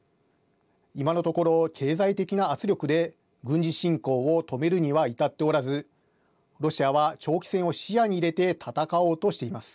今のところ経済的な圧力で軍事侵攻を止めるには至っておらずロシアは長期戦を視野に入れて戦おうとしています。